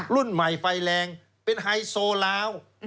รุ่นใหม่ไฟแรงเป็นไฮโซลาว